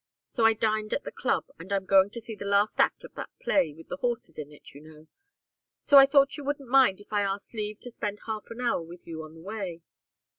So I dined at the club, and I'm going to see the last act of that play with the horses in it, you know so I thought you wouldn't mind if I asked leave to spend half an hour with you on the way."